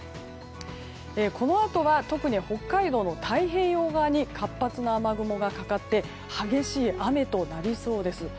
このあとは特に北海道の太平洋側に活発な雨雲がかかって激しい雨となりそうです。